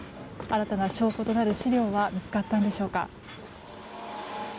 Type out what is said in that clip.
新たな証拠となる資料は見つかったのでしょうか。